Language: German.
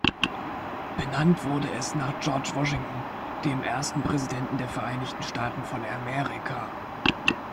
Benannt wurde es nach George Washington, dem ersten Präsidenten der Vereinigten Staaten von Amerika.